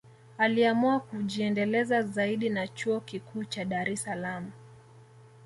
Aliamua kujiendeleza zaidi na chuo Kikuu cha Dar es Salaam